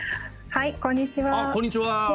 はい、こんにちは。